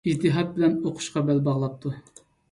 ئىجتىھات بىلەن ئوقۇشقا بەل باغلاپتۇ.